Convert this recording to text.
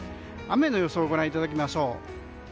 雨の予想をご覧いただきます。